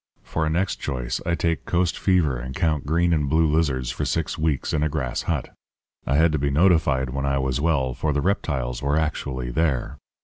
For a next choice I take coast fever and count green and blue lizards for six weeks in a grass hut. I had to be notified when I was well, for the reptiles were actually there.